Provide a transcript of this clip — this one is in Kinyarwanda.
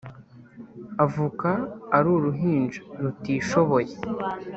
avuka ari uruhinja rutishoboye